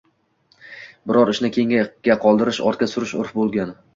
biror ishni keyinga qoldirish, ortga surish urf bo‘lgan.